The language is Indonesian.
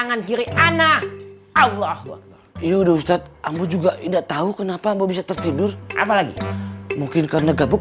nah allah ya udah ustadz ambo juga enggak tahu kenapa bisa tertidur apalagi mungkin karena gabung